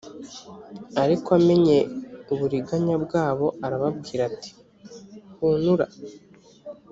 ariko amenye uburiganya bwabo arababwira ati hunura